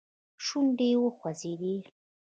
شونډې يې وخوځېدې.